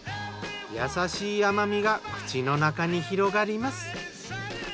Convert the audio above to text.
優しい甘みが口の中に広がります。